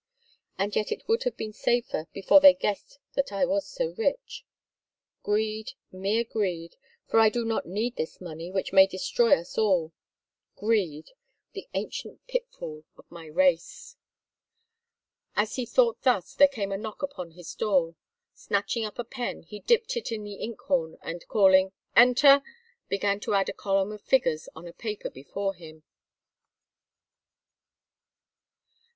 And yet it would have been safer, before they guessed that I was so rich. Greed—mere greed—for I do not need this money which may destroy us all! Greed! The ancient pitfall of my race." As he thought thus there came a knock upon his door. Snatching up a pen he dipped it in the ink horn and, calling "Enter," began to add a column of figures on a paper before him.